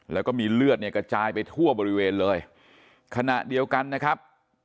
แล้วก็มีเลือดเนี่ยกระจายไปทั่วบริเวณเลยขณะเดียวกันนะครับ